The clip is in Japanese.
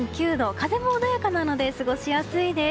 風も穏やかなので過ごしやすいです。